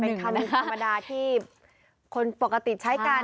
เป็นคำธรรมดาที่คนปกติใช้กัน